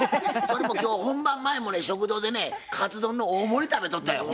今日本番前もね食堂でねかつ丼の大盛り食べとったよほんまに。